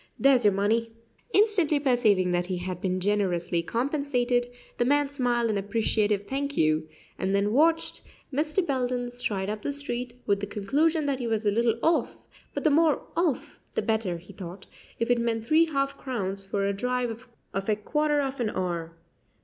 There's your money." Instantly perceiving that he had been generously compensated, the man smiled an appreciative "Thank you," and then watched Mr. Belden stride up the street, with the conclusion that he was "a little off;" but the more "off" the better, he thought, if it meant three half crowns for a drive of a quarter of an hour.